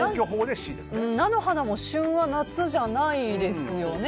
菜の花も旬は夏じゃないですよね。